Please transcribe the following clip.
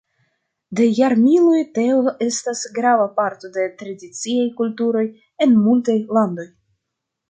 De jarmiloj teo estas grava parto de tradiciaj kulturoj en multaj landoj.